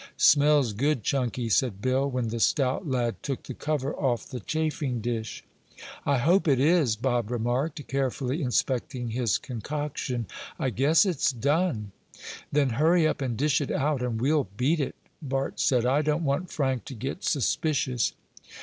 "Smells good, Chunky," said Bill, when the stout lad took the cover off the chafing dish. "I hope it is," Bob remarked, carefully inspecting his concoction. "I guess it's done." "Then hurry up and dish it out and we'll beat it," Bart said. "I don't want Frank to get suspicious."